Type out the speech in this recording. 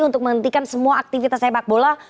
untuk menghentikan semua aktivitas sepak bola